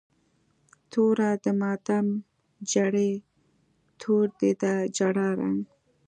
توره د ماتم جړۍ، تور دی د جړا رنګ